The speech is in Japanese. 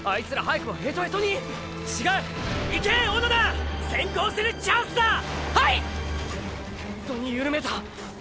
ホントにゆるめたァ！！